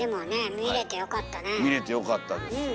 見れてよかったです。